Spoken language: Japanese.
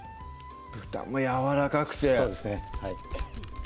豚もやわらかくてそうですね